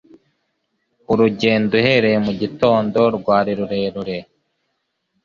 Urugendo uhereye mu gitondo rwari rurerure,